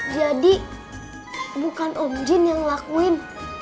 jadi bukan om jin yang ngelakuin